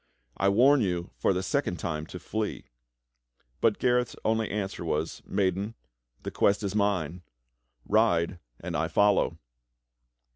I warn you for the second time to flee." But Gareth's only answer was: "Maiden, the quest is mine. Ride and I follow."